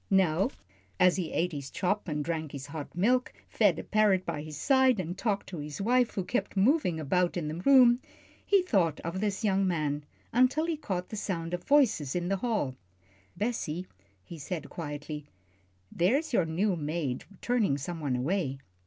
Now as he ate his chop and drank his hot milk, fed a parrot by his side, and talked to his wife, who kept moving about the room, he thought of this young man, until he caught the sound of voices in the hall. "Bessie," he said, quietly, "there's your new maid turning some one away."